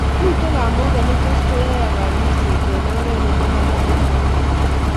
mito kamugeet netos koyayak kanyuiset eng oret netenden amu maoo oret